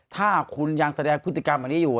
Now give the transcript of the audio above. ถ้าคุณยังแสดงพฤติกรรมอันนี้อยู่